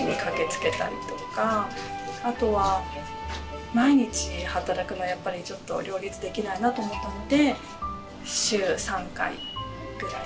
あとは毎日働くのはやっぱりちょっと両立できないなと思ったので週３回ぐらい。